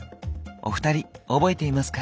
お二人覚えていますか？